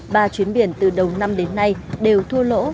ba chuyến biển từ đầu năm đến nay đều thua lỗ